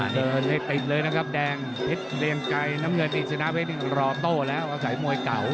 ติดเลยนะครับแดงเผ็ดเบียงไก่น้ำเงินอินสุนาเวทรอโต้แล้วอาศัยมวยเก่า